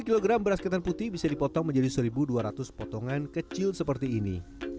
dua puluh kg beras ketan putih bisa dipotong menjadi satu dua ratus potongan kecil seperti ini